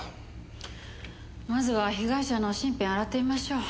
まずは被害者の身辺洗ってみましょう。